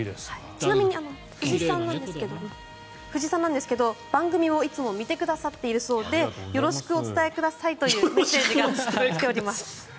ちなみに藤さんなんですが番組をいつも見てくださっているそうでよろしくお伝えくださいというメッセージが来ております。